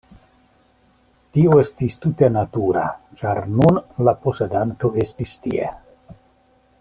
Tio estis tute natura, ĉar nun la posedanto estis tie.